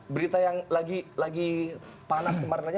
berita yang lagi panas kemarin aja